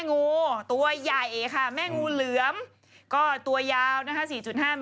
หนูตกใจแล้วแต่วันสิ